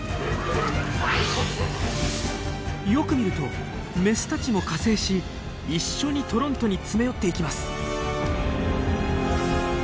よく見るとメスたちも加勢し一緒にトロントに詰め寄っていきます。